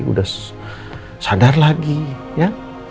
udah sadar lagi ya